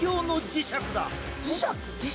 磁石？